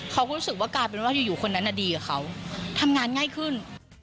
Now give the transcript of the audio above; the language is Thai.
เขาก็รู้สึกว่ากลายเป็นว่าอยู่คนนั้นดีกว่าเขาทำงานง่ายขึ้น